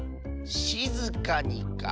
しずかにか。